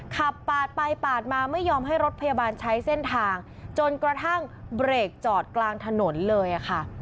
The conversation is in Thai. ขับปาดไปปาดมาไม่ยอมให้รถพยาบาลใช้เส้นทางจนกระทั่งเบรกจอดกลางถนนเลยค่ะ